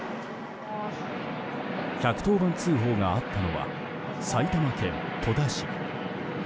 １１０番通報があったのは埼玉県戸田市。